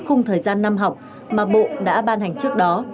có thể nói về thời gian năm học mà bộ đã ban hành trước đó